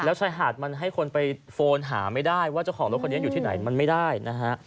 แล้วชายหาดมันให้คนไปโฟนหาไม่ได้ว่าเจ้าของรถคันนี้อยู่ที่ไหนมันไม่ได้นะฮะ